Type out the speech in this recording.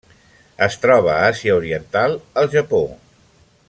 Es troba a Àsia Oriental: el Japó.